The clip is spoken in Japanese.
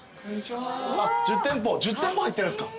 １０店舗入ってるんですか？